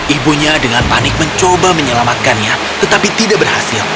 ibunya dengan panik mencoba menyelamatkannya tetapi tidak berhasil